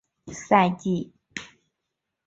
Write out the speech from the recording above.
赛季结束后贝尔垂成为自由球员。